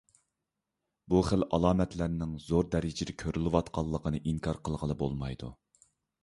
بۇ خىل ئالامەتلەرنىڭ زور دەرىجىدە كۆرۈلۈۋاتقانلىقىنى ئىنكار قىلغىلى بولمايدۇ.